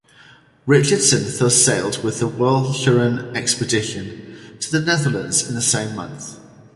Richardson thus sailed with the Walcheren Expedition to the Netherlands in the same month.